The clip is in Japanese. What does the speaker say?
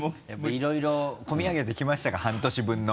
いろいろ込み上げて来ましたか半年分の。